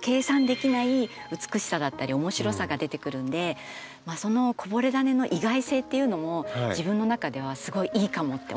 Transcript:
計算できない美しさだったり面白さが出てくるんでそのこぼれダネの意外性っていうのも自分の中ではすごいいいかも！って思ってるんですよ。